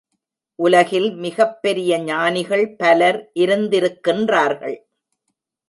உலகில் மிகப் பெரிய ஞானிகள் பலர் இருந்திருக்கின்றார்கள்.